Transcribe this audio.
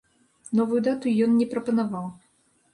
Новую дату ён не прапанаваў.